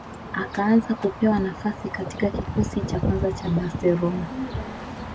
Akaanza kupewa nafasi katika kikosi cha kwanza cha Barcelona